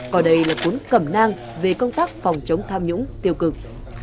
còn đây là cuốn cẩm nang về công tác phòng chống tham nhũng tiêu cực